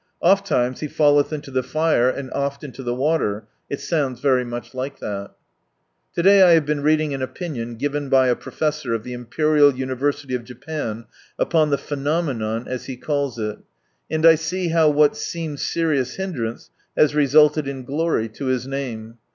"Ofitimes he falleth into the fire, and oft into the water," it sounds very much like that. To day I have been reading an opinion given by a Professor of the Imperial University of Japan, upon the phenomenon, as he calls it, and I see how what seemed serious hindrance, has resulted inglory to His name.